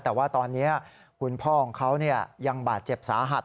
แต่ว่าตอนนี้คุณพ่อของเขายังบาดเจ็บสาหัส